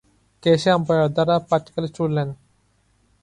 কে সেই আম্পায়ার দারা পাটকেল ছুড়লেন?